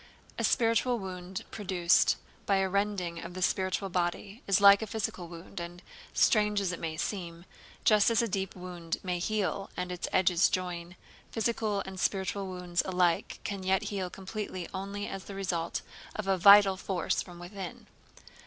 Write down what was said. A spiritual wound produced by a rending of the spiritual body is like a physical wound and, strange as it may seem, just as a deep wound may heal and its edges join, physical and spiritual wounds alike can yet heal completely only as the result of a vital force from within.